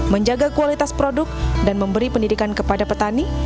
menjaga kualitas produk dan memberi pendidikan kepada petani